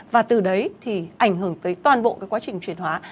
và từ đấy thì ảnh hưởng tới toàn bộ cái quá trình chuyển hóa